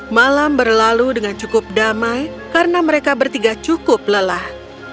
malam berlalu dengan cukup damai karena mereka bertiga cukup lelah